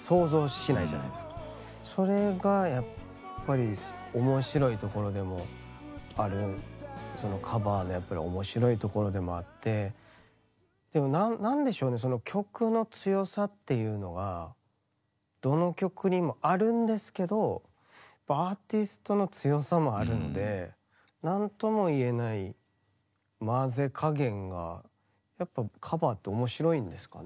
それがやっぱり面白いところでもあるそのカバーのやっぱり面白いところでもあってでも何でしょうね曲の強さっていうのがどの曲にもあるんですけどアーティストの強さもあるので何とも言えない混ぜ加減がやっぱカバーって面白いんですかね。